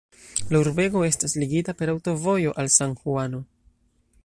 La urbego estas ligita per aŭtovojo al San-Juano.